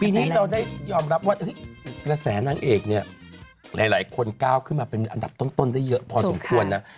ทีนี้เราได้ยอมรับว่ากระแสนางเอกเนี่ยหลายคนก้าวขึ้นมาเป็นอันดับต้นได้เยอะพอสมควรนะ